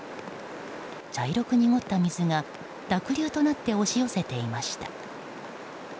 茶色く濁った水が濁流となって押し寄せていました。